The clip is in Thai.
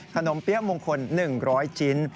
เปี๊ยะมงคล๑๐๐ชิ้น